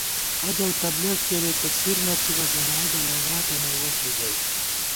حج اؤ تبلیغ کېرېتہ سِر نہ تھِبہ جمائدہ لگاتہ نئ وَس بی گوئی